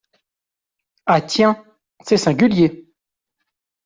Ah ! tiens ! c’est singulier !